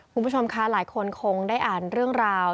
คุณผู้ชมค่ะหลายคนคงได้อ่านเรื่องราว